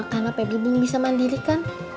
karena pebli belum bisa mandiri kan